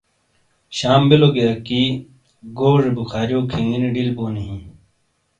شام بِیلو گی اَکی گوجے بُخارِیو کھِینگینی ڈِل بونی ہِیں۔